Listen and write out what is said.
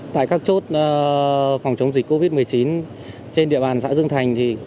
tại các chốt phòng chống dịch covid một mươi chín trên địa bàn xã dương thành